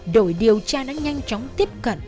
đội điều tra đã nhanh chóng tiếp cận